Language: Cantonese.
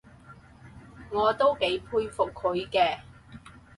我都幾佩服佢嘅